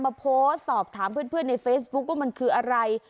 มาโพสต์สอบถามเพื่อนในเฟซบุ๊คว่ามันคืออะไร